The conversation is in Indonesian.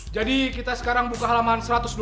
jadi kita sekarang buka halaman satu ratus dua puluh satu